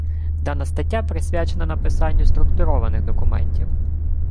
Дана стаття присвячена написанню структурованих документів.